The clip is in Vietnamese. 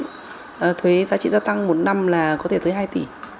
có thể thuế giá trị gia tăng một năm là có thể tới hai tỷ